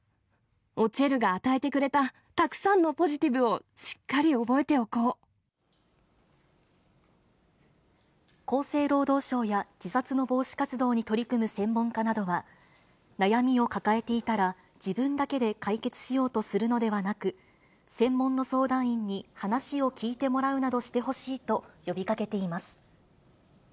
おちぇるが与えてくれたたくさんのポジティブをしっかり覚えてお厚生労働省や、自殺の防止活動に取り組む専門家などは、悩みを抱えていたら、自分だけで解決しようとするのではなく、専門の相談員に話を聞いてもらうなどしてほしいと呼びかけています。